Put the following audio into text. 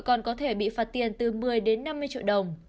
còn có thể bị phạt tiền từ một mươi đến năm mươi triệu đồng